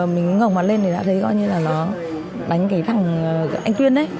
mình ngồng mặt lên thì đã thấy gọi như là nó đánh cái thằng anh tuyên ấy